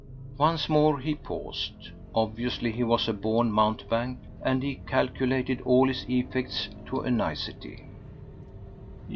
Once more he paused. Obviously he was a born mountebank, and he calculated all his effects to a nicety.